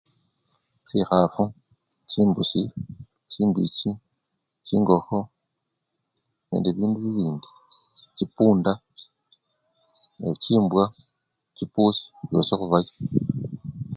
Chikhafu chimbusi, chimbichi, chingokho nende bindu bibindi, chipunda nechimbwa, chipusi byosi khubaya.